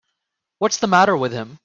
What's the matter with him.